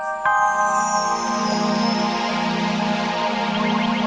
tidak ada yang bisa ngelanjutin hubungan kita